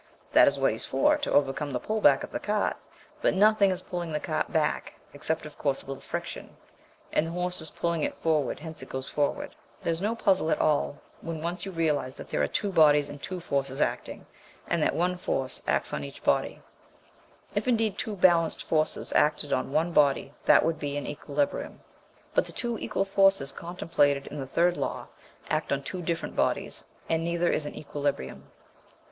That is what he is for, to overcome the pull back of the cart; but nothing is pulling the cart back (except, of course, a little friction), and the horse is pulling it forward, hence it goes forward. There is no puzzle at all when once you realise that there are two bodies and two forces acting, and that one force acts on each body. If, indeed, two balanced forces acted on one body that would be in equilibrium, but the two equal forces contemplated in the third law act on two different bodies, and neither is in equilibrium.